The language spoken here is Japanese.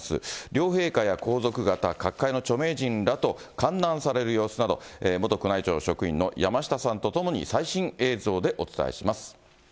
両陛下や皇族方、各界の著名人らと歓談される様子など、元宮内庁職員の山下さんと共に最新映像でお伝えします。